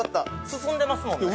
進んでますもんね。